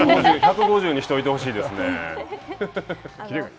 １５０にしといてほしいですねえ。